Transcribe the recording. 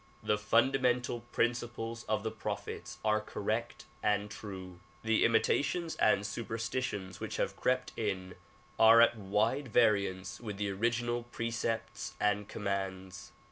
The fundamental principles of the prophets are correct and true. The imitations and superstitions which have crept in are at wide variance with the original precepts and commands.